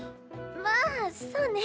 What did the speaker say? まあそうね。